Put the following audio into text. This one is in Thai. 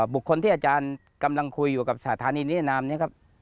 บุคคลที่อาจารย์กำลังคุยอยู่กับสถานีนิรนามนี้ครับ